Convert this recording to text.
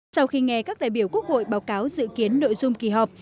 sau khi nghe các đại biểu quốc hội báo cáo dự kiến nội dung kỳ họp